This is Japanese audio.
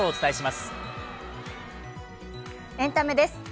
エンタメです。